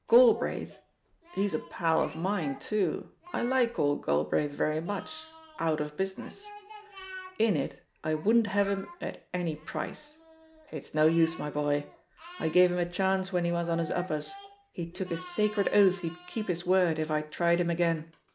Gal braith? He's a pal of mine, too. I like old Galbraith very much — out of business; in it, I wouldn't have him at any price. It's no use, my boy! I gave him a chance when he was on his uppers; he took his sacred oath he'd keep his word if I tried him again.